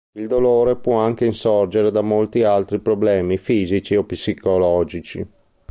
Il dolore può anche insorgere da molti altri problemi fisici o psicologici.